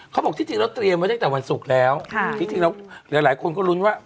เขาบอกที่จริงแล้วเตรียมไว้ตั้งแต่วันศุกร์แล้วที่จริงแล้วหลายคนก็ลุ้นว่า